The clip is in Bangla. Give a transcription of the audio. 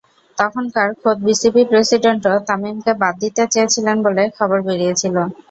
তখনকার খোদ বিসিবি প্রেসিডেন্টও তামিমকে বাদ দিতে চেয়েছিলেন বলে খবর বেরিয়েছিল।